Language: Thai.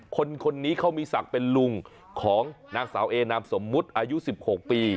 คนนี้เขามีศักดิ์เป็นลุงของนางสาวเอนามสมมุติอายุ๑๖ปี